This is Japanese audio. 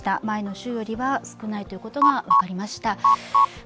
前の週よりは少ないということが分かりました。